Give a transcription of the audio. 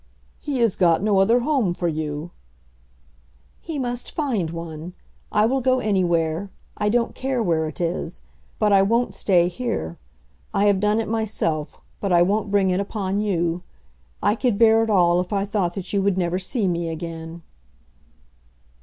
"He has got no other home for you." "He must find one. I will go anywhere. I don't care where it is. But I won't stay here. I have done it myself, but I won't bring it upon you. I could bear it all if I thought that you would never see me again."